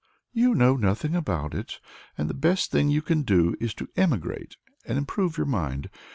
"You know nothing about it, and the best thing you can do is to emigrate and improve your mind.